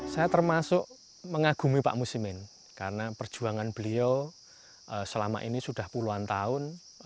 saya termasuk mengagumi pak musimin karena perjuangan beliau selama ini sudah puluhan tahun